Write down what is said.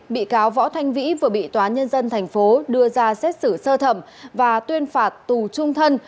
bị cáo võ thanh vĩ vừa bị tòa nhân dân tp đưa ra xét xử sơ thẩm và tuyên phạt tù trung thân